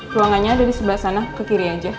ruangannya ada di sebelah sana ke kiri aja